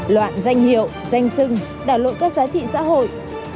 loạn danh hiệu danh sưng đả lộ các giá trị xã hội